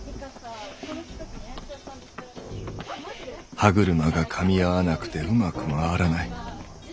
歯車が噛み合わなくてうまく回らない。